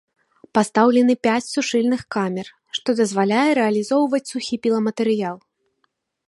Пастаўлены пяць сушыльных камер, што дазваляе рэалізоўваць сухі піламатэрыял.